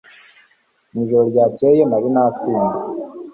Mu ijoro ryakeye nari nasinze